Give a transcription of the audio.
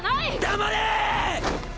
黙れ！